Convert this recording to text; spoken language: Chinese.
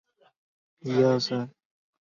弘定五年出生。